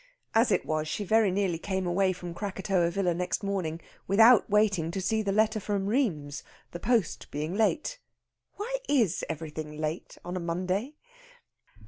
As it was, she very nearly came away from Krakatoa Villa next morning without waiting to see the letter from Rheims, the post being late. Why is everything late on Monday?